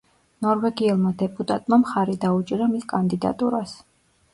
ნორვეგიელმა დეპუტატმა მხარი დაუჭირა მის კანდიდატურას.